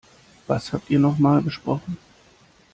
Was habt ihr noch mal besprochen?